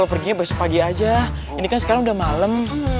kalau perginya besok pagi aja ini kan sekarang udah malam